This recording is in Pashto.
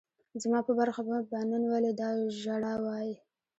زما په برخه به نن ولي دا ژړاوای